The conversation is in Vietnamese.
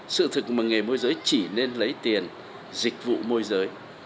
sự thực mà nghề môi giới chỉ nên lấy tiền dịch vụ môi giới